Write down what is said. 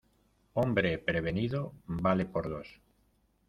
Hombre prevenido vale por dos.